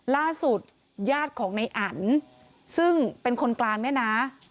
ล่าสุดญาติของในอันซึ่งเป็นคนกลางเนี่ยนะ